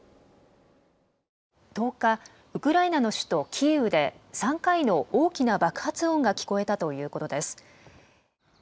ウクライナの首都キーウで３回の大きな爆発音が聞こえたということです。